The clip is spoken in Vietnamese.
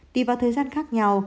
tùy vào thời gian khác nhau